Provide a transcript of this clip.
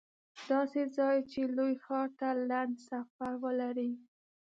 داسې ځای چې لوی ښار ته لنډ سفر ولري